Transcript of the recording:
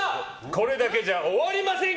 これだけじゃ終わりません！